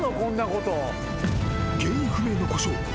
原因不明の故障。